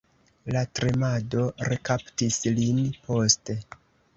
La tremado rekaptis lin poste.